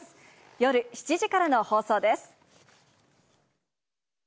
夜７時からの放送です。